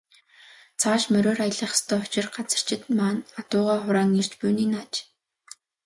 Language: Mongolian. Цааш мориор аялах ёстой учир газарчид маань адуугаа хураан ирж буй нь энэ аж.